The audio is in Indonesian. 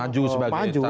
maju sebagai tagub ya